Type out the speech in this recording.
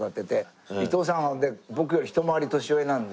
伊東さんは僕よりひと回り年上なんで。